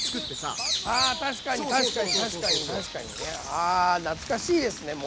あ懐かしいですねもう。